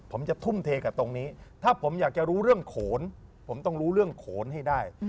ผมจะทุ่มเทกับตรงนี้ถ้าผมอยากจะรู้เรื่องโขนผมต้องรู้เรื่องโขนให้ได้